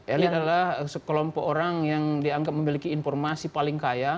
elit adalah sekelompok orang yang dianggap memiliki informasi paling kaya